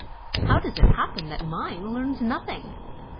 How does it happen that mine learns nothing